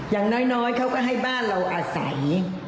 อย่างน้อยเขาก็ให้บ้านเราอาศัย